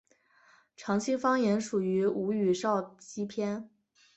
长兴方言属于吴语苕溪片。